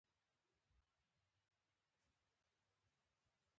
زه د چا غیبت نه کوم.